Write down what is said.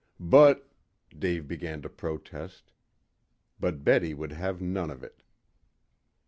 "But " Dave began to protest. But Betty would have none of it.